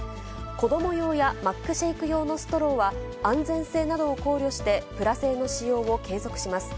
子ども用やマックシェイク用のストローは、安全性などを考慮して、プラ製の使用を継続します。